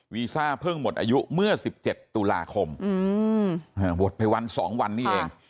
ซ่าเพิ่งหมดอายุเมื่อ๑๗ตุลาคมหมดไปวัน๒วันนี้เอง